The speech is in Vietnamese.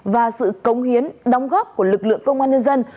và sự cống hiến đóng góp của lực lượng công an nhân dân